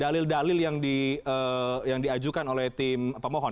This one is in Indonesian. dalil dalil yang diajukan oleh tim pemohon